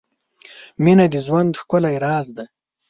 • مینه د ژوند ښکلی راز دی.